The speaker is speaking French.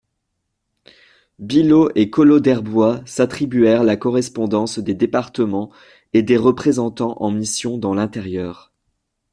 Billaud et Collot-d'Herbois s'attribuèrent la correspondance des départements et des représentants en mission dans l'intérieur.